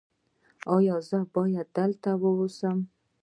ایا زه باید دلته اوسم؟